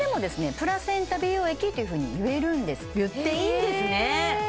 プラセンタ美容液というふうに言えるんです言っていいんですね